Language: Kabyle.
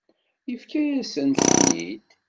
Yefka-yasent-ten-id.